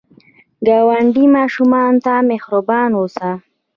د ګاونډي ماشومانو ته مهربان اوسه